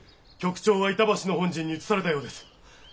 局長は板橋の本陣に移されたようです。